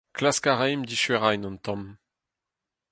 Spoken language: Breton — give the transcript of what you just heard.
Klask a raimp diskuizhañ un tamm.